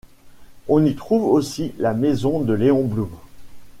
On y trouve aussi la maison de Léon Blum.